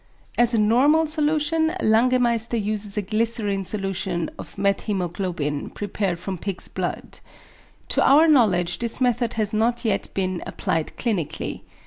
As a normal solution Langemeister uses a glycerine solution of methæmoglobin prepared from pig's blood. To our knowledge this method has not yet been applied clinically.